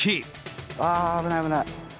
あー、危ない、危ない。